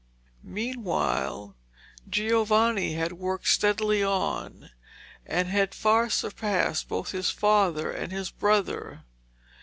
Meanwhile Giovanni had worked steadily on, and had far surpassed both his father and his brother.